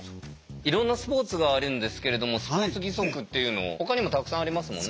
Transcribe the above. いろんなスポーツがあるんですけれどもスポーツ義足っていうのほかにもたくさんありますもんね。